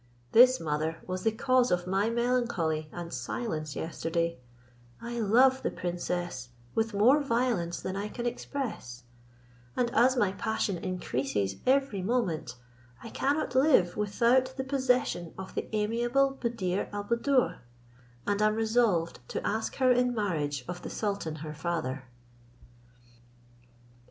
This, mother, was the cause of my melancholy and silence yesterday; I love the princess with more violence than I can express; and as my passion increases every moment, I cannot live without the possession of the amiable Buddir al Buddoor, and am resolved to ask her in marriage of the sultan her father."